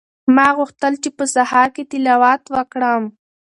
ما غوښتل چې په سهار کې تلاوت وکړم.